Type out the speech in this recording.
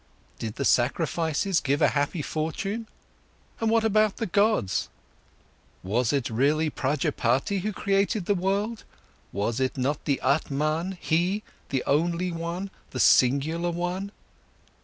Did the sacrifices give a happy fortune? And what about the gods? Was it really Prajapati who had created the world? Was it not the Atman, He, the only one, the singular one?